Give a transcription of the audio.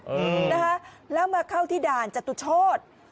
อืมนะคะแล้วมาเข้าที่ด่านจตุโชธ